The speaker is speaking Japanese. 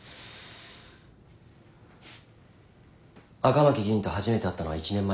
赤巻議員と初めて会ったのは１年前だ。